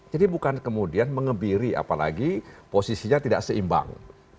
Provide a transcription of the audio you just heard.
jadi bukan kemudian mengebiri apalagi posisinya tidak seimbang